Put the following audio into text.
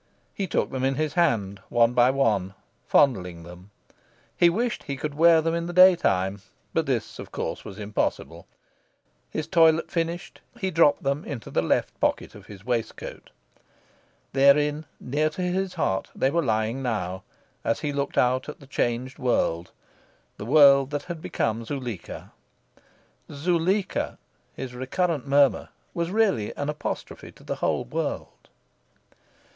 He took them in his hand, one by one, fondling them. He wished he could wear them in the day time; but this, of course, was impossible. His toilet finished, he dropped them into the left pocket of his waistcoat. Therein, near to his heart, they were lying now, as he looked out at the changed world the world that had become Zuleika. "Zuleika!" his recurrent murmur, was really an apostrophe to the whole world.